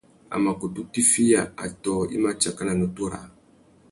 A mà kutu tiffiya atōh i mà tsaka nà nutu râā.